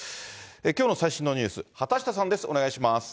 きょうの最新のニュース、畑下さんです。